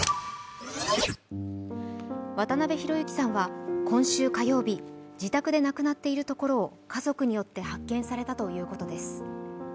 渡辺裕之さんは今週火曜日自宅で亡くなっているところを家族によって発見されたということです。